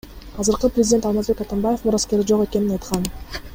Азыркы президент Алмазбек Атамбаев мураскери жок экенин айткан.